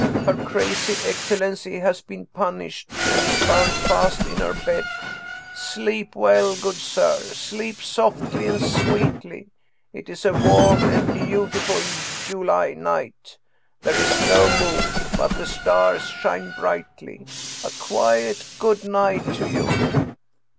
Her crazy excellency has been pun ished, and is bound fast in her bed. Sleep well, good sir, sleep softly and sweetly. It is a warm and beautiful July night. There is no moon, but the stars shine brightly. A quiet good night to you."